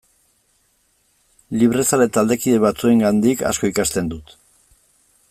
Librezale taldekide batzuengandik asko ikasten dut.